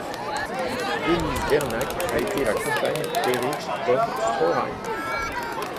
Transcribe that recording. Denise Vernac a été la compagne d'Erich von Stroheim.